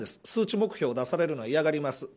数値目標を出されるのは嫌がります。